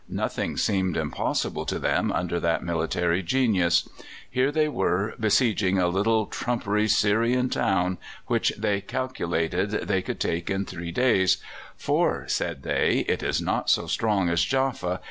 Nothing seemed impossible to them under that military genius. Here they were besieging a little trumpery Syrian town, which they calculated they could take in three days; "for," said they, "it is not so strong as Jaffa.